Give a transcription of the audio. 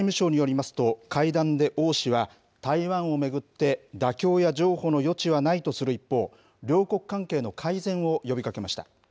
中国外務省によりますと、会談で王氏は、台湾を巡って妥協や譲歩の余地はないとする一方、両国関係の改善を呼びかけました。